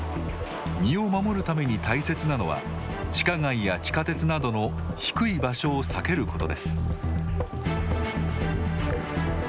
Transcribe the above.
身を守るために大切なのは地下街や地下鉄などの低い場所を避けることです。